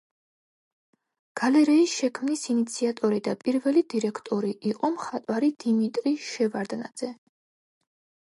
გალერეის შექმნის ინიციატორი და პირველი დირექტორი იყო მხატვარი დიმიტრი შევარდნაძე.